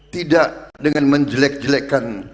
tidak dengan menjelek jelekkan